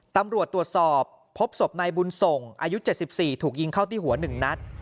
ตำรวจตรวจสอบพบศพนายบุญส่งอายุ๗๔ถูกยิงเข้าที่หัว๑นัด